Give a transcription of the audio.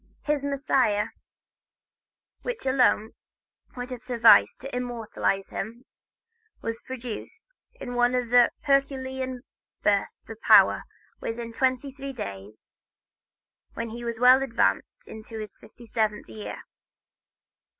His "Messiah," which alone would have sufficed to immortalize him, was produced, in one of his herculean bursts of power, within twenty three days, when he was well advanced in his fifty seventh year.